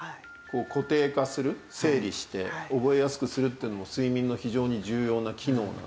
固定化する整理して覚えやすくするっていうのも睡眠の非常に重要な機能なので。